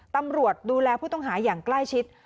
ตำรวจดูแลผู้ต้องหาอย่างใกล้ชิด